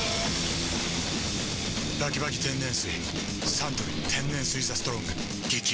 サントリー天然水「ＴＨＥＳＴＲＯＮＧ」激泡